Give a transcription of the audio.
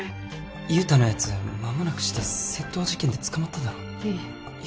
雄太のやつ間もなくして窃盗事件で捕まっただろ？